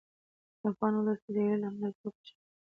افغان ولس د جګړې له امله سخت فشار لاندې دی.